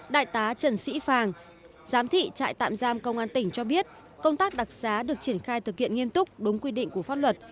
đại tá trần sĩ phàng giám thị trại tạm giam công an tỉnh cho biết công tác đặc xá được triển khai thực hiện nghiêm túc đúng quy định của pháp luật